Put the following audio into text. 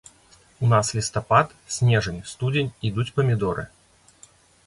У нас лістапад, снежань, студзень ідуць памідоры.